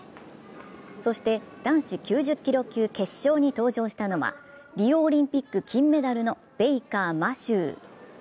そして、男子９０キロ級決勝に登場したのはリオオリンピック金メダルのベイカー茉秋。